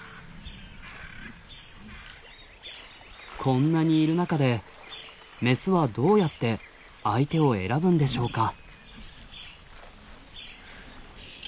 こんなにいる中でメスはどうやって相手を選ぶんでしょうか。